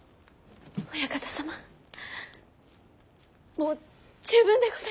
もう十分でござい。